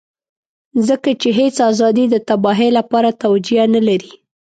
ځکه چې هېڅ ازادي د تباهۍ لپاره توجيه نه لري.